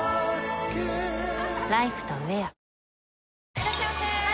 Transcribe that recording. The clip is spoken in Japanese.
いらっしゃいませ！